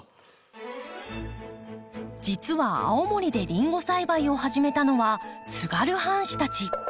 じつは青森でリンゴ栽培を始めたのは津軽藩士たち。